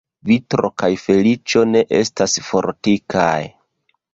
Vitro kaj feliĉo ne estas fortikaj.